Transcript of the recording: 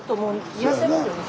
いらっしゃいますよね？